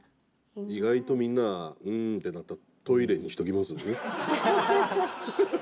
意外とみんなうんってなったトイレにしておきます？